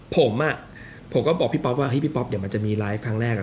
ผมอะผมก็บอกพี่พอฟว่าพี่พี่พอฟเดี๋ยวมันจะมีไลฟ์ครั้งแรกอะ